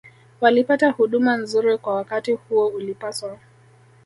walipata huduma nzuri Kwa wakati huo ulipaswa